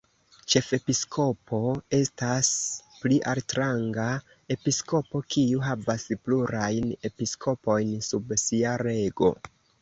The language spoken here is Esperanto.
Ĉefepiskopo estas pli altranga episkopo, kiu havas plurajn episkopojn sub sia rego.